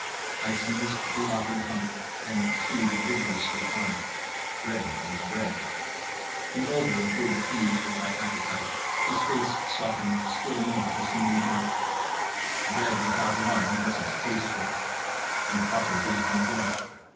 I seized the offered hunk, and chewed vigorously on it. Bread was bread. The older appeared pleased with my appetite; his face softened still more, as he remarked: "Bread without wine doesn't taste good," and proffered his bidon.